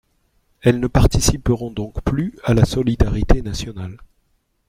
Elles ne participeront donc plus à la solidarité nationale.